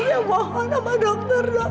saya mohon sama dokter dok